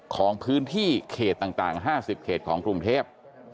ของพื้นที่เขตต่าง๕๐เขตของกรุงเทพ